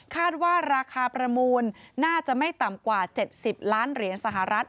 คาดว่าราคาประมูลน่าจะไม่ต่ำกว่า๗๐ล้านเหรียญสหรัฐ